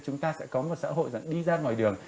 chúng ta sẽ có một xã hội rằng đi ra ngoài đường